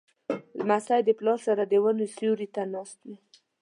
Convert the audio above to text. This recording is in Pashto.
لمسی د پلار سره د ونو سیوري ته ناست وي.